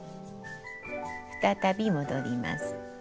再び戻ります。